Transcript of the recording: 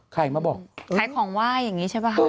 ขายของไหว้อย่างนี้ใช่ปะ